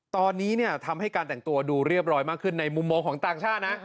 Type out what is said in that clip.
ตอนนี้ทำให้การแต่งตัวดูเรียบร้อยมากขึ้นในมุมมองของต่างชาตินะ